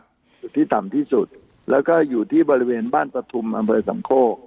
จุดที่ต่ำที่สุดแล้วก็อยู่ที่บริเวณบ้านปฐุมอำเภอสำโคก